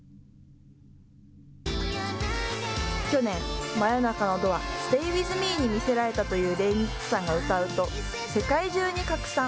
去年、真夜中のドアＳｔａｙＷｉｔｈＭｅに魅せられたというレイニッチさんが歌うと、世界中に拡散。